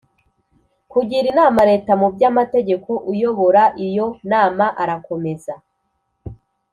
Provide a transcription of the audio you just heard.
kugira inama Leta mu by amategeko uyobora iyo nama arakomeza